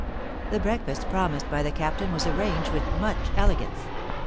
The breakfast promised by the Captain was arranged with much elegance.